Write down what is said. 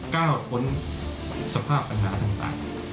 ก้าวพ้นสภาพปัญหาต่าง